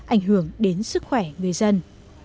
ảnh hưởng đến sức khỏe người dân